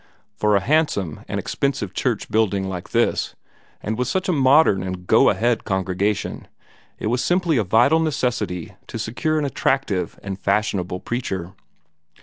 For a handsome and expensive church building like this, and with such a modern and go ahead congregation, it was simply a vital necessity to secure an attractive and fashionable preacher.